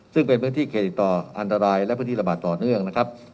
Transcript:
ซึ่งเป็นพื้นที่เขตติดต่ออันตรายและพื้นที่ระบาดต่อเนื่องนะครับ